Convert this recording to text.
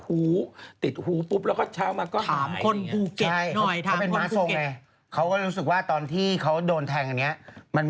อุปกรณ์มันหนักขึ้นมันเริ่มเป็นเจ๊กาย่าน